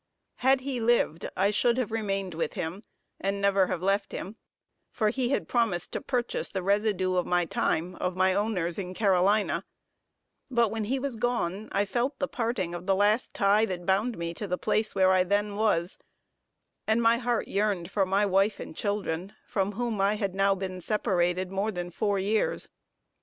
Had he lived, I should have remained with him and never have left him, for he had promised to purchase the residue of my time of my owners in Carolina; but when he was gone, I felt the parting of the last tie that bound me to the place where I then was, and my heart yearned for my wife and children, from whom I had now been separated more than four years.